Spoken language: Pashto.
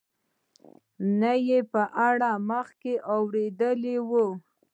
نه یې په اړه مخکې اورېدلي وو.